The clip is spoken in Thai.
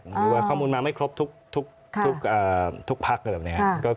หรือว่าข้อมูลมาไม่ครบทุกพัก